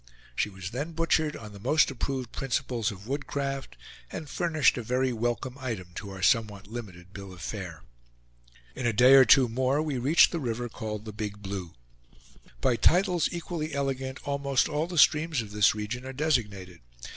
She was then butchered on the most approved principles of woodcraft, and furnished a very welcome item to our somewhat limited bill of fare. In a day or two more we reached the river called the "Big Blue." By titles equally elegant, almost all the streams of this region are designated.